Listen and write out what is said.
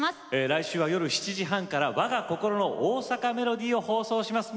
来週は、夜７時３０分から「わが心の大阪メロディー」をお送りします。